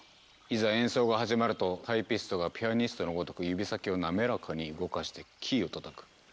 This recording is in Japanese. いざ演奏が始まるとタイピストがピアニストのごとく指先を滑らかに動かしてキーを叩く。